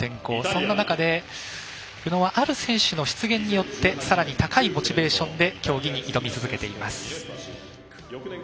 その中で、宇野はある選手の出現によってさらに高いモチベーションで競技に挑み続けています。